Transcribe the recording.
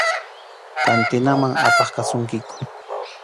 Kantinaman apaq kasunkiku.